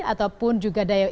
ataupun juga daya beli